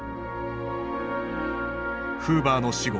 フーバーの死後